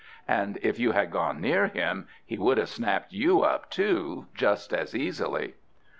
And if you had gone near him, he would have snapped you up too, just as easily.